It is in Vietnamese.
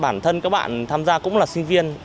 bản thân các bạn tham gia cũng là sinh viên